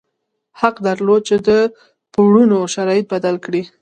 حق درلود چې د پورونو شرایط بدل کړي.